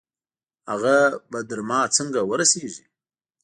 هغه به تر ما څنګه ورسېږي؟